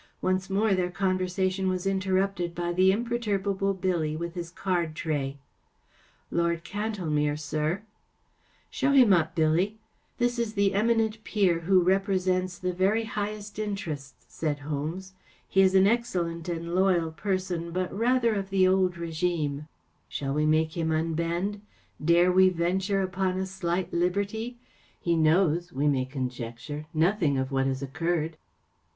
Once more their conversation was interrupted by the im¬ perturbable Billy with his card tray* " Lord Cantlemere, sir/* tf Show him up, Billy, This is the eminent peer who represents the very highest inte¬ rests/' said Holmes. He is an excellent and loyal person, but rather of the old rigime , University of Michigan 298 The Adventure of Shall we make him unbend ? Dare we ven¬ ture upon a slight liberty ? He knows, we may conjecture, nothing of what has occurred."